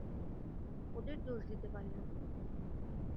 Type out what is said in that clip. ওদের দোষ দিতে পারি না।